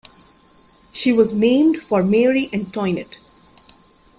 She was named for Marie Antoinette.